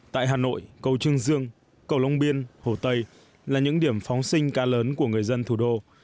tại hà nội cầu trương dương cầu long biên hồ tây là những điểm phóng sinh ca lớn của người dân thủ đô